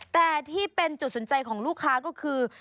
แต่ที่เป็นจุดสนใจของลูกค้าก็คือ